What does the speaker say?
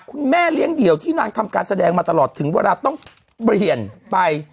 คุณแม่เลี้ยงเดี่ยวที่นางทำการแสดงมาตลอดถึงเวลาต้องเปลี่ยนไป